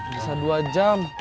bisa dua jam